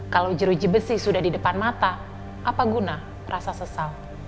kalau jeruji besi sudah di depan mata apa guna rasa sesal